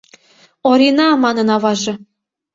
— Орина! — манын аваже.